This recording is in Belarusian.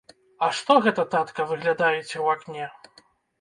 А што гэта, татка, выглядаеце ў акне?